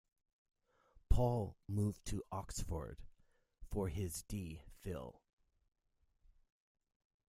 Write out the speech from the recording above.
Paul moved to Oxford for his D Phil.